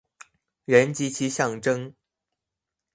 人及其象徵